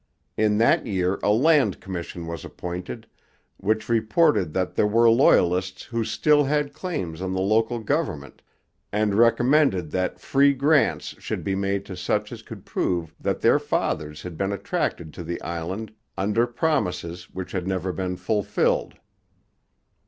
In that year a land commission was appointed, which reported that there were Loyalists who still had claims on the local government, and recommended that free grants should be made to such as could prove that their fathers had been attracted to the island under promises which had never been fulfilled.